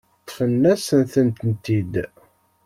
Ṭṭfen-asen-tent-id.